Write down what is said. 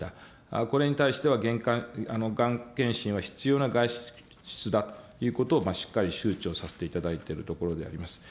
これに対しては、がん検診は必要な外出だということをしっかり周知をさせていただいているところであります。